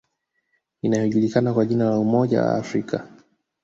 Inayojulikana kwa jina la Umoja wa Afrika